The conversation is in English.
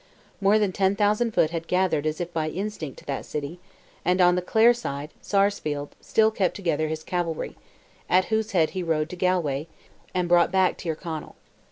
More than ten thousand foot had gathered "as if by instinct" to that city, and on the Clare side Sarsfield still kept together his cavalry, at whose head he rode to Galway and brought back Tyrconnell.